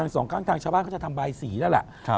สองข้างเชาะบ้านก็จะทำบายสีแล้วล่ะ